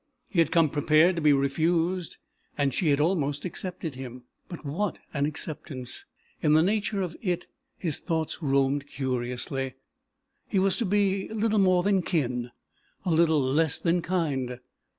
He had come prepared to be refused and she had almost accepted him. But what an acceptance! In the nature of it his thoughts roamed curiously: he was to be a little more than kin, a little less than kind.